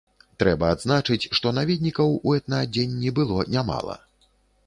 Трэба адзначыць, што наведнікаў у этнаадзенні было нямала.